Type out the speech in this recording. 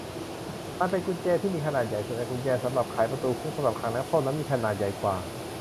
มันเป็นกุญแจที่มีขนาดใหญ่ แต่กุญแจสำหรับไขประตูคุกสำหรับขังนักโทษนั้นมีขนาดใหญ่กว่า